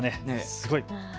すごい。